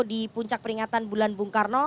di puncak peringatan bulan bung karno